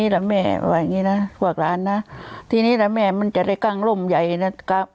ตรงหวังแม่มันจะได้กลั้งร่มใหญ่เนี่ย